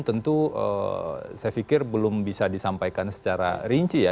tentu saya pikir belum bisa disampaikan secara rinci ya